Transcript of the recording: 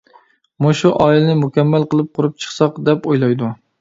مۇشۇ ئائىلىنى مۇكەممەل قىلىپ قۇرۇپ چىقساق دەپ ئويلايدۇ.